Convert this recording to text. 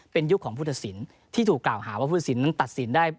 เป็นยุคของผู้ตัดสินที่ถูกกล่าวหาว่าผู้ตัดสินนั้นตัดสินได้